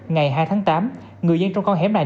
ngày hai tháng tám người dân trong con hẻm này